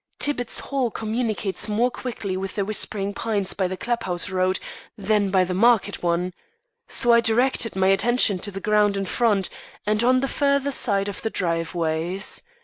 Tibbitt's Hall communicates more quickly with The Whispering Pines by the club house road than by the market one. So I directed my attention to the ground in front, and on the further side of the driveways.